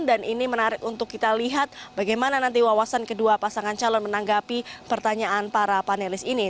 dan ini menarik untuk kita lihat bagaimana nanti wawasan kedua pasangan calon menanggapi pertanyaan para panelis ini